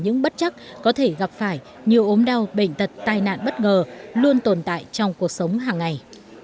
những bất chắc có thể gặp phải nhiều ốm đau bệnh tật tai nạn bất ngờ luôn tồn tại trong cuộc sống hàng ngày